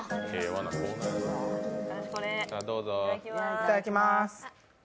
いただきまーす。